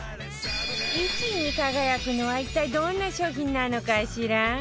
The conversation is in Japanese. １位に輝くのは一体どんな商品なのかしら？